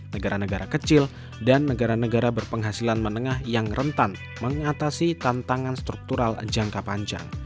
negara negara kecil dan negara negara berpenghasilan menengah yang rentan mengatasi tantangan struktural jangka panjang